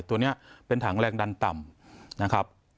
ตัวนี้เป็นถังแรงดันต่ำ